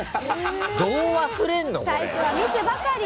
「最初はミスばかり。